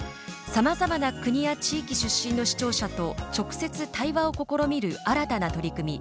さまざまな国や地域出身の視聴者と直接対話を試みる新たな取り組み